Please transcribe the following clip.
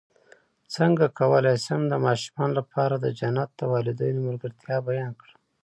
څنګه کولی شم د ماشومانو لپاره د جنت د والدینو ملګرتیا بیان کړم